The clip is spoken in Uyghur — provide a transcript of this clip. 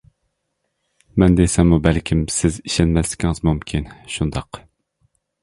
-مەن دېسەممۇ بەلكىم سىز ئىشەنمەسلىكىڭىز مۇمكىن، شۇنداق!